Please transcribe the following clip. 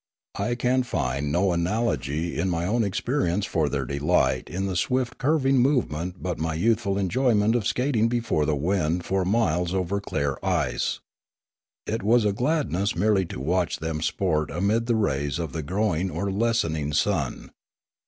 I can find no analogy in my own experience for their delight in the swift curving movement but my youthful enjoyment of skating before the wind for miles over clear ice. It was a gladness merely to watch them sport amid the rays of the grow ing or lessening sun.